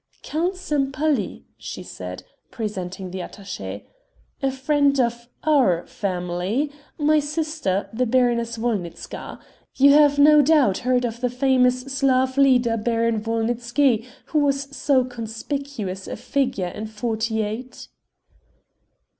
"Count Sempaly," she said, presenting the attaché; "a friend of our family ... my sister, the Baroness Wolnitzka. You have no doubt heard of the famous Slav leader Baron Wolnitzky, who was so conspicuous a figure in forty eight."